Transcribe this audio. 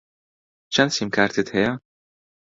چەند سیمکارتت هەیە؟